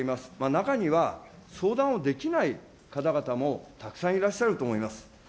中には相談をできない方々もたくさんいらっしゃると思います。